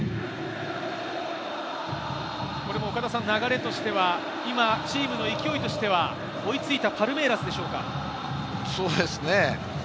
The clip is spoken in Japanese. これも流れとしては、今、チームの勢いとしては追いついたパルメイラスでしょうか？